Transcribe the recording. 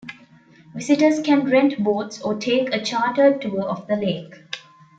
Visitors can rent boats or take a chartered tour of the lake.